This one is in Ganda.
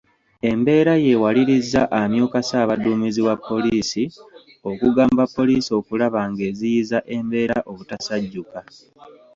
Embeera y'ewalirizza amyuka Ssaabadduumizi wa poliisi okugumba pollisi okulaba ng'eziyiza embeera obutasajjuka.